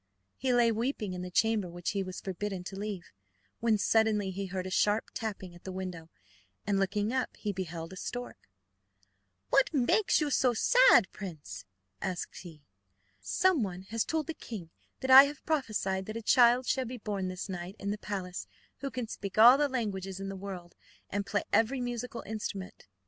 He lay weeping in the chamber which he was forbidden to leave, when suddenly he heard a sharp tapping at the window, and, looking up, he beheld a stork. "What makes you so sad, prince?" asked he. "Someone has told the king that I have prophesied that a child shall be born this night in the palace, who can speak all the languages in the world and play every musical instrument.